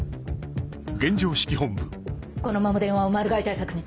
このまま電話をマル害対策につないで。